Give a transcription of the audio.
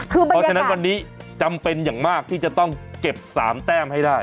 เพราะฉะนั้นวันนี้จำเป็นอย่างมากที่จะต้องเก็บ๓แต้มให้ได้